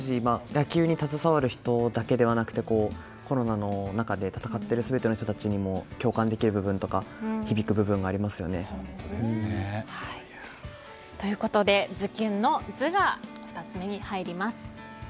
野球に携わる人だけでなくてコロナの中で闘っている全ての人たちにも共感できる部分や響く部分がありますね。ということでズキュンの「ズ」が２つ目に入ります。